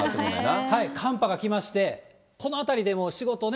寒波が来まして、このあたりで仕事ね、